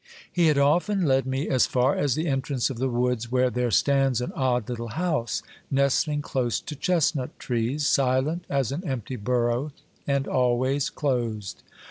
He had often led me as far as the entrance of the woods, where there stands an odd little house, nestling close to chestnut trees, silent as an empty burrow, and always closed.